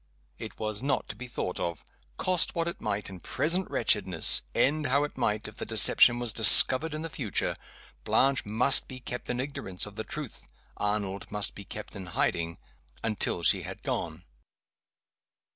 It was not to be thought of. Cost what it might in present wretchedness end how it might, if the deception was discovered in the future Blanche must be kept in ignorance of the truth, Arnold must be kept in hiding until she had gone.